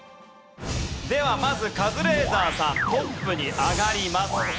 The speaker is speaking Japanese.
ではまずカズレーザーさんトップに上がります。